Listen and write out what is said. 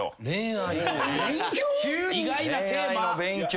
意外なテーマ。